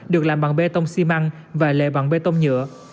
được làm bằng bê tông xi măng và lệ bằng bê tông nhựa